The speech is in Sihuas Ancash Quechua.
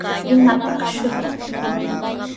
¿Imataq shutin?